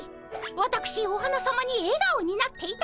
わたくしお花さまにえがおになっていただきたい。